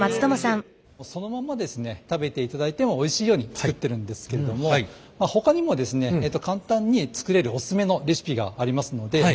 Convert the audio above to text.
そのまんまですね食べていただいてもおいしいように作ってるんですけれどもほかにもですね簡単に作れるオススメのレシピがありますので。